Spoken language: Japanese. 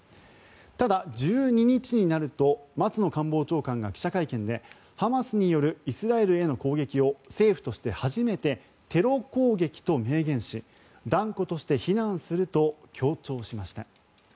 ただ、１２日になると松野官房長官が記者会見でハマスによるイスラエルへの攻撃を政府として初めてテロ攻撃と明言し断固として非難すると強調しました。